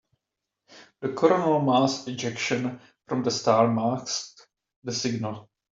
The coronal mass ejection from the star masked the signal.